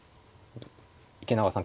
池永さん